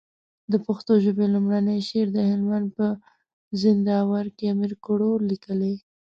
د پښتو ژبي لومړنی شعر د هلمند په زينداور کي امير کروړ ليکلی